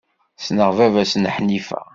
Ssneɣ baba-s n Ḥnifa.